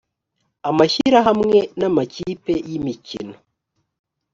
amashyirahamwe n amakipe y imikino